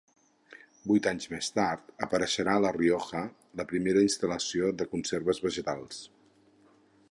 Vuit anys més tard apareixerà a La Rioja la primera instal·lació de conserves vegetals.